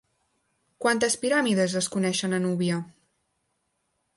Quantes piràmides es coneixen a Núbia?